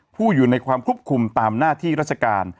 อยู่ในความควบคุมตามหน้าที่ราชการ